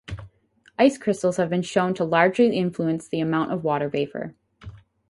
Ice crystals have been shown to largely influence the amount of water vapor.